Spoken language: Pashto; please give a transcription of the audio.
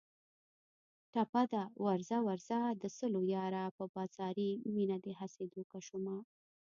ټپه ده: ورځه ورځه د سلو یاره په بازاري مینه دې هسې دوکه شومه